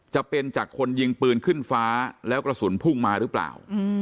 จะเป็นจากคนยิงปืนขึ้นฟ้าแล้วกระสุนพุ่งมาหรือเปล่า